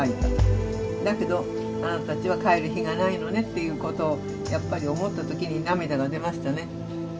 だけどあなたたちは帰る日がないのねっていうことをやっぱり思った時に涙が出ましたね。